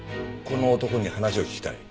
この男に話を聞きたい。